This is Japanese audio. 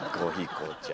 紅茶。